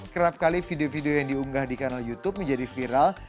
kerap kali video video yang diunggah di kanal youtube menjadi viral